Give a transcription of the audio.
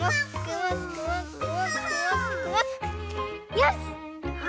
よし！